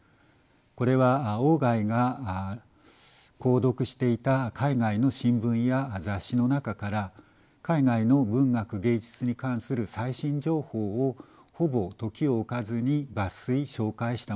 これは外が購読していた海外の新聞や雑誌の中から海外の文学芸術に関する最新情報をほぼ時を置かずに抜粋紹介したものです。